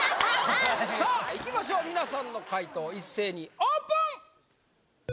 さあいきましょう皆さんの解答一斉にオープン！